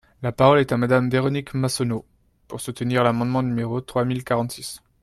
La parole est à Madame Véronique Massonneau, pour soutenir l’amendement numéro trois mille quarante-six.